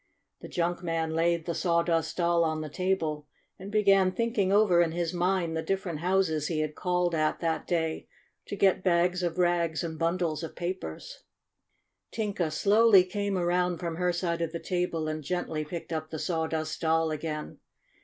The junk man laid the Sawdust Doll on the table, and began thinking over in his mind the different houses he had called at that day to get bags of rags and bundles of papers. Tinka slowly came around from her side of the table, and gently picked up the Sawdust Doll again.